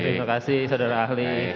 terima kasih saudara ahli